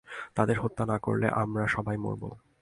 তাদের হত্যা না করলে আমরা সবাই মরব।